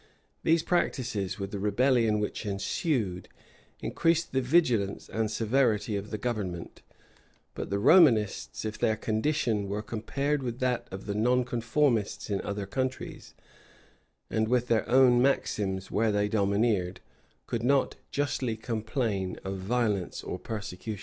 [] These practices, with the rebellion which ensued, increased the vigilance and severity of the government; but the Romanists, if their condition were compared with that of the nonconformists in other countries, and with their own maxims where they domineered, could not justly complain of violence or persecution.